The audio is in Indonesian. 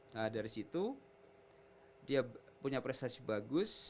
nah dari situ dia punya prestasi bagus